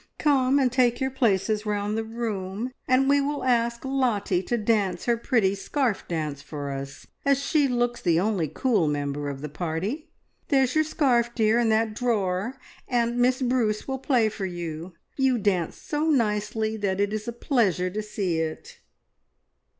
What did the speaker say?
Come and take your places round the room, and we will ask Lottie to dance her pretty scarf dance for us, as she looks the only cool member of the party. There's your scarf, dear, in that drawer, and Miss Bruce will play for you. You dance so nicely that it is a pleasure to see it."